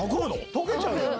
溶けちゃうじゃん。